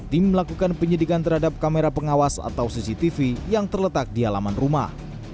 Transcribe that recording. tim melakukan penyidikan terhadap kamera pengawas atau cctv yang terletak di halaman rumah